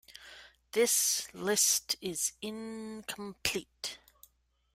This list is incomplete.